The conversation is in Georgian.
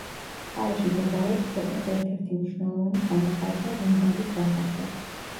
მხარეში მდებარეობს ქვეყნის ერთ-ერთი მნიშვნელოვანი სანახაობა რუნდალის სასახლე.